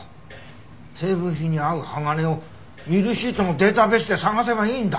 成分比に合う鋼をミルシートのデータベースで探せばいいんだ！